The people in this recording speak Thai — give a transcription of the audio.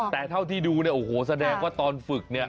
แต่เท่าที่ดูเนี่ยโอ้โหแสดงว่าตอนฝึกเนี่ย